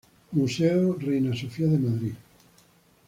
Museo Reina Sofía de Madrid.